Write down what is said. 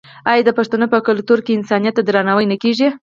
آیا د پښتنو په کلتور کې انسانیت ته درناوی نه کیږي؟